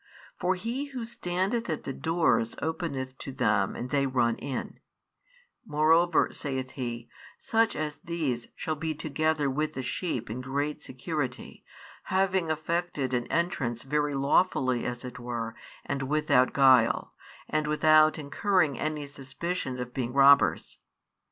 For he who standeth at the doors openeth to them and they run in: moreover, saith He, such as these shall be together with the sheep in great security, having effected an entrance very lawfully as it were and without guile, and without incurring any suspicion of being robbers.